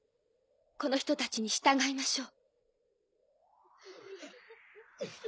この人たちに従いましょう。